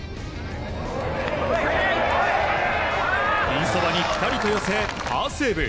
ピンそばにピタリと寄せパーセーブ。